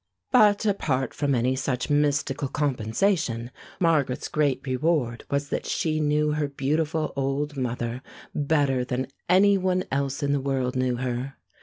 But, apart from any such mystical compensation, Margaret's great reward was that she knew her beautiful old mother better than any one else in the world knew her.